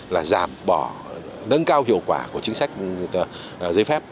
là giảm bỏ nâng cao hiệu quả của chính sách giấy phép